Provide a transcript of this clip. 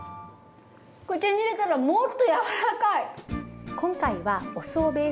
口に入れたらもっと柔らかい！